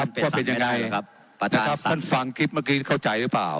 ว่าเป็นยังไงครับนะครับท่านฟังคลิปเมื่อกี้เข้าใจหรือเปล่า